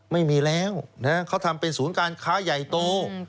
ไม่มีแล้วเขาทำเป็นศูนย์การค้าใหญ่โต